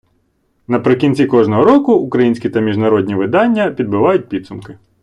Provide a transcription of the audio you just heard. Наприкінці кожного року українські та міжнародні видання підбивають підсумки.